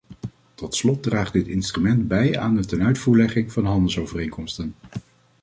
Tot slot draagt dit instrument bij aan de tenuitvoerlegging van handelsovereenkomsten.